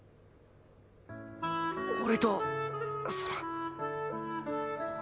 俺とその。